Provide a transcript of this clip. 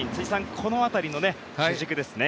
この辺りの主軸ですね。